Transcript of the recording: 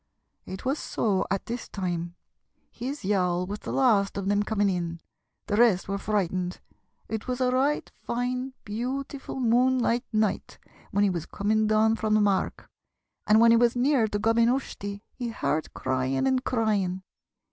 It was so at this time his yawl was the last of them coming in; the rest were frightened. It was a right fine, beautiful moonlight night when he was coming down from the mark, and when he was near to Gob yn Ushtey he heard crying and crying.